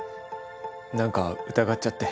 何か疑っちゃって。